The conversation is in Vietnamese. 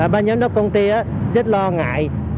ban giám đốc công ty rất lo ngại